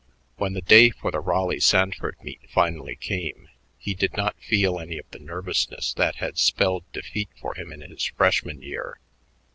When the day for the Raleigh Sanford meet finally came, he did not feel any of the nervousness that had spelled defeat for him in his freshman year.